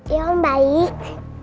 ya om baik